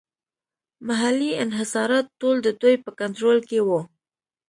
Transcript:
محلي انحصارات ټول د دوی په کنټرول کې وو.